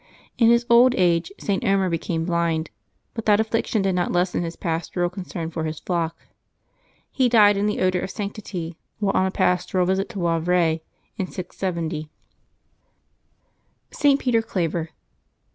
In his old age St. Omer became blind, but that affliction did not lessen his pastoral concern for his flock. He died in the odor of sanctity, while on a pastoral visit to Wavre, in 670. 310 LIVES OF TEE SAINTS [Septembeb 10 BLESSED PETER CLAVER.